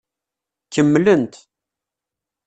Kemmlent.